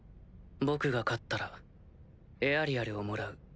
僕が勝ったらエアリアルをもらう。